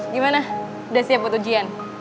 gimana udah siap buat ujian